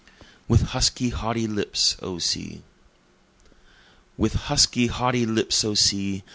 With Husky Haughty Lips, O Sea! With husky haughty lips, O sea!